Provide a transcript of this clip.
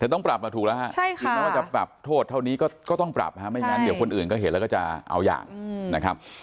ถ้าจะปรับโทษเท่านี้ก็ต้องปรับไม่งั้นเดี๋ยวคนอื่นก็เห็นแล้วก็จะเอาอย่าง